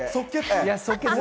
即決？